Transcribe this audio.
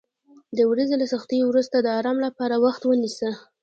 د ورځې له سختیو وروسته د آرام لپاره وخت ونیسه.